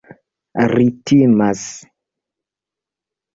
Ri timas.